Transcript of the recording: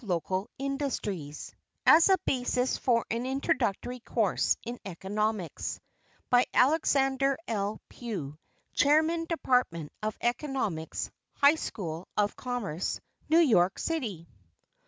Local Industries As a Basis for an Introductory Course in Economics BY ALEXANDER L. PUGH, CHAIRMAN DEPARTMENT OF ECONOMICS, HIGH SCHOOL OF COMMERCE, NEW YORK CITY.